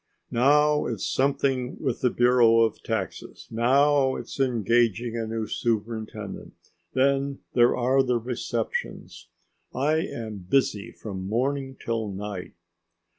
Now it's something with the bureau of taxes, now it's engaging a new superintendent! Then there are the receptions! I am busy from morning till night."